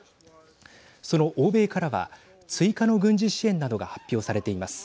その欧米からは追加の軍事支援などが発表されています。